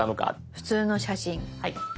普通の写真。